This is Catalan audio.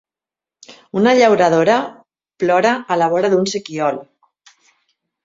Una llauradora plora a la vora d’un sequiol.